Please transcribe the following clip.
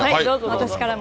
私からも。